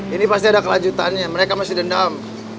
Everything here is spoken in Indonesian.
ini pasti ada kelanjutannya mereka masih dendam